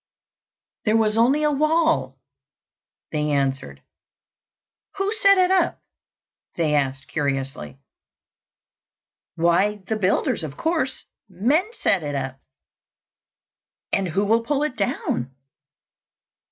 "There was only a wall," they answered. "Who set it up?" they asked curiously. "Why, the builders, of course. Men set it up." "And who will pull it down?"